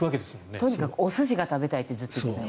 とにかくお寿司が食べたいってずっと言っていました。